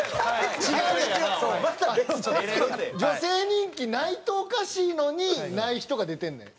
女性人気ないとおかしいのにない人が出てんねん。